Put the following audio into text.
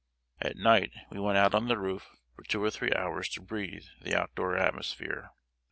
At night we went out on the roof for two or three hours to breathe the out door atmosphere.